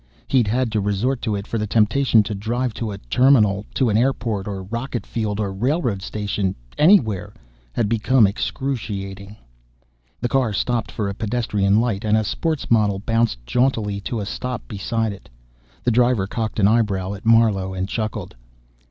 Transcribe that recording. He'd had to resort to it, for the temptation to drive to a terminal, to an airport, or rocket field, or railroad station anywhere had become excruciating. The car stopped for a pedestrian light, and a sports model bounced jauntily to a stop beside it. The driver cocked an eyebrow at Marlowe and chuckled.